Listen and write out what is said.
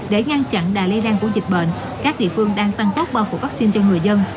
để ngăn chặn đà lây lan của dịch bệnh các địa phương đang tăng tốc bao phủ vaccine cho người dân